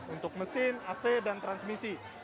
untuk mesin ac dan transmisi